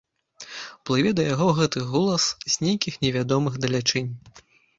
Плыве да яго гэты голас з нейкіх невядомых далячынь.